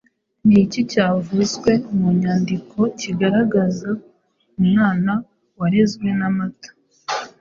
Ni iki cyavuzwe mu mwandiko kigaragaza umwana warezwe n’amata.